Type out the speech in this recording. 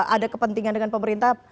ada kepentingan dengan pemerintah